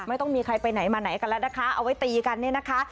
ไม่ต้องมีใครไปไหนมาไหนกันแล้วนะคะเอาไว้ตีกันเนี่ยนะคะ